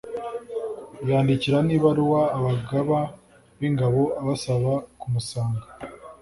yandikira n'ibaruwa abagaba b'ingabo abasaba kumusanga